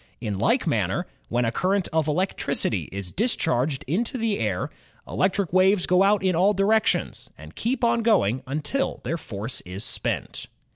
In like manner, when a current of electricity is discharged into the air, electric waves go out in all directions and keep on going until their force is spent.